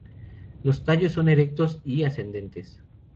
Los tallos son erectos y ascendentes.